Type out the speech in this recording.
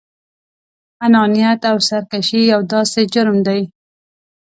انانيت او سرکشي يو داسې جرم دی.